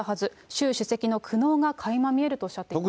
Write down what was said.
習主席の苦悩がかいま見えるとおっしゃっています。